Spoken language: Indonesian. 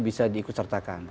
bisa diikut sertakan